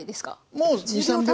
もう２３秒。